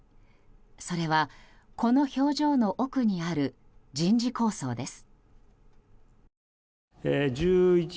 それは、この表情の奥にある人事構想です。